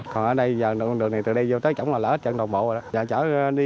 còn ở đây đường này từ đây vô tới chổng là lỡ hết trận đồng bộ